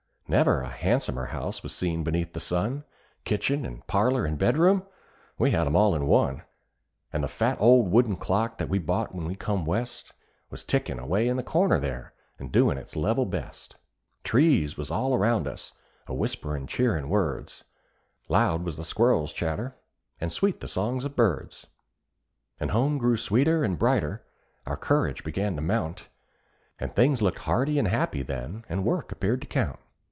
Never a handsomer house was seen beneath the sun: Kitchen and parlor and bedroom we had 'em all in one; And the fat old wooden clock that we bought when we come West, Was tickin' away in the corner there, and doin' its level best. Trees was all around us, a whisperin' cheering words; Loud was the squirrel's chatter, and sweet the songs of birds; And home grew sweeter and brighter our courage began to mount And things looked hearty and happy then, and work appeared to count.